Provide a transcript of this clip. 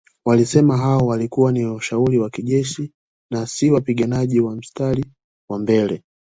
Walisema hao walikuwa ni washauri wa kijeshi na si wapiganaji wa mstari wa mbele